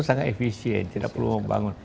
sangat efisien tidak perlu membangun